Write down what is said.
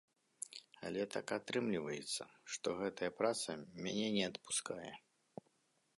Але так атрымліваецца, што гэтая праца мяне не адпускае.